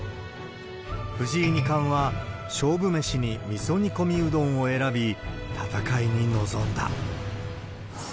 藤井二冠は勝負飯にみそ煮込みうどんを選び、戦いに臨んだ。